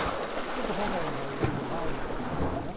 ちょっと本来の打撃じゃないので、内容も。